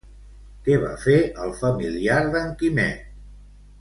Què va fer el familiar d'en Quimet?